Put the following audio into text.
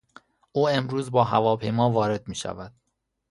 او امروز با هواپیما وارد میشود.